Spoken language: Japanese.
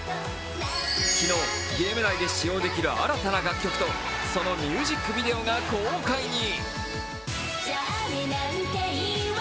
昨日、ゲーム内で使用できる新たな楽曲とそのミュージックビデオが公開に。